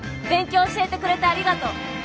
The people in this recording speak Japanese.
勉強教えてくれてありがとう！